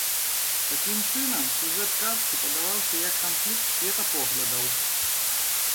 Такім чынам, сюжэт казкі падаваўся як канфлікт светапоглядаў.